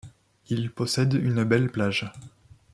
Il possède une belle plage.